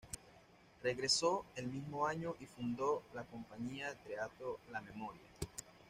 Regresó el mismo año y fundó la compañía de teatro La Memoria.